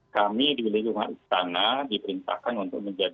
kami diberi dukungan